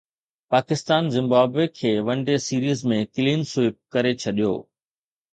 Pakistan Zimbabwe کي one day series ۾ clean sweep ڪري ڇڏيو